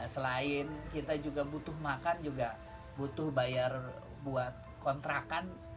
selain kita juga butuh makan juga butuh bayar buat kontrakan